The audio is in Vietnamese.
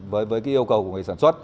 với cái yêu cầu của người sản xuất